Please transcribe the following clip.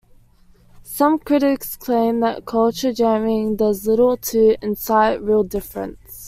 Some critics claim that culture jamming does little to incite real difference.